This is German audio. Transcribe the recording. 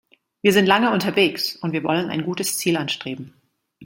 Wir sind lange unterwegs, und wir wollen ein gutes Ziel anstreben.